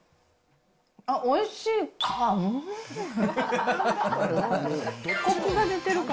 あっ、おいしいか？